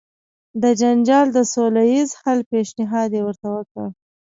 د جنجال د سوله ایز حل پېشنهاد یې ورته وکړ.